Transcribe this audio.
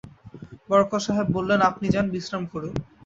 বরকত সাহেব বললেন, আপনি যান, বিশ্রাম করুন।